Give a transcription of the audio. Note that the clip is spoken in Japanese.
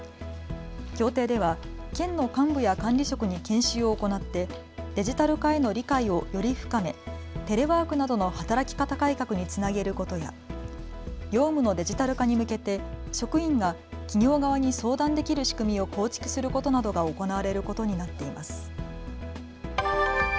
協定では県の幹部や管理職に研修を行ってデジタル化への理解をより深めテレワークなどの働き方改革につなげることや業務のデジタル化に向けて職員が企業側に相談できる仕組みを構築することなどが行われることになっています。